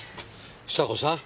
比佐子さん。